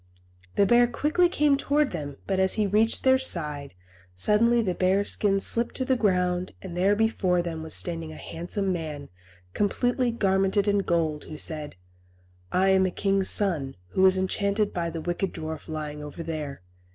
The bear quickly came towards them, but as he reached their side, suddenly the bear skin slipped to the ground, and there before them was standing a handsome man, completely garmented in gold, who said, "I am a king's son, who was enchanted by the wicked dwarf lying over there.